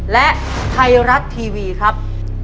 และไทรัตท์ทีวีครับ